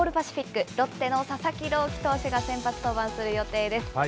オール・パシフィック、ロッテの佐々木朗希投手が先発登板する予定です。